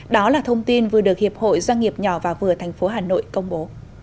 đó là thông tin vừa được hiệp hội doanh nghiệp nhỏ và vừa thành phố hà nội công bố